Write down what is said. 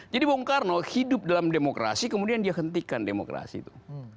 jadi bung karno hidup dalam demokrasi kemudian dia hentikan demokrasi itu